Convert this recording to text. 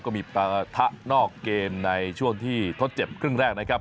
ก็มีปะทะนอกเกมในช่วงที่ทดเจ็บครึ่งแรกนะครับ